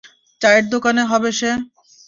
চায়ের দোকানে হবে সে।